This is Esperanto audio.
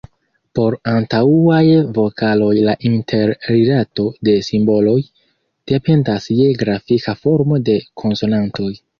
Por antaŭaj vokaloj la interrilato de simboloj dependas je grafika formo de konsonantoj.